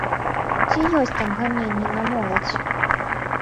Ці ёсць там ганенні на моладзь?